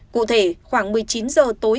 cụ thể khoảng một mươi chín h tối